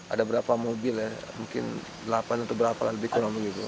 ada berapa mobil ya mungkin delapan atau berapa lah lebih kurang begitu